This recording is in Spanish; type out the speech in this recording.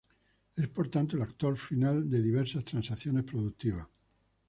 Es por tanto el actor final de diversas transacciones productivas.